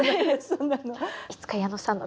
そんなの。